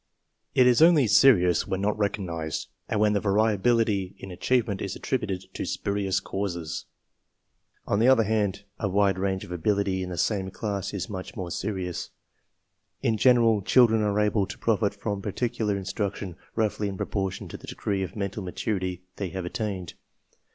It is only serious when not recognized and when, the variability in achievement is attributed to ^puriou d causes. On the other hand, a wide range of ability in the same class is much more serious. In general, children are able to profit from particular IngSi lrtion roughly inproportion to the degree of mental maturfiT^h eyTEave attained.